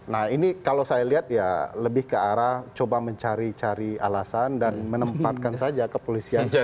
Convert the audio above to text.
nah ini kalau saya lihat ya lebih ke arah coba mencari cari alasan dan menempatkan saja kepolisian